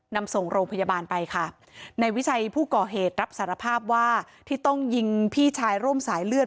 นำส่งโรงพยาบาลไปค่ะในวิชัยผู้ก่อเหตุรับสารภาพว่าที่ต้องยิงพี่ชายร่มสายเลือด